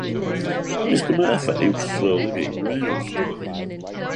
Mr. Murphy was slowly being roused.